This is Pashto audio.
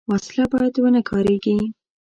وسله باید ونهکارېږي